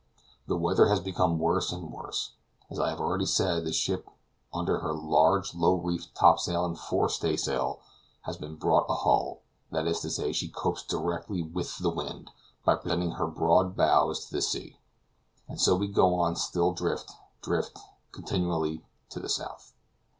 The weather has become worse and worse. As I have already said, the ship under her large low reefed top sail and fore stay sail has been brought ahull, that is to say, she copes directly with the wind, by presenting her broad bows to the sea; and so we go on still drift, drift, continually to the south.